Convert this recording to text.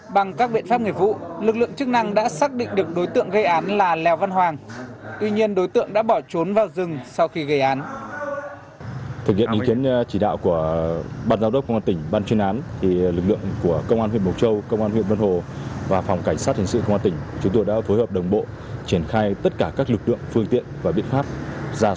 bằng các biện pháp nghề vụ lực lượng chức năng đã xác định được đối tượng gây án là lèo văn hoàng